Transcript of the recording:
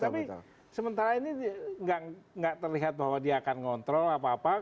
tapi sementara ini tidak terlihat bahwa dia akan ngontrol apa apa